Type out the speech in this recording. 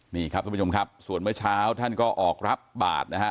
นี่ครับทุกผู้ชมครับส่วนเมื่อเช้าท่านก็ออกรับบาทนะฮะ